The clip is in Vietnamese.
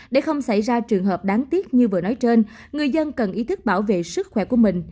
để không xảy ra trường hợp đáng tiếc như vừa nói trên người dân cần ý thức bảo vệ sức khỏe của mình